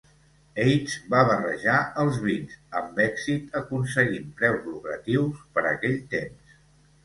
Heitz va barrejar els vins amb èxit, aconseguint preus lucratius per aquell temps.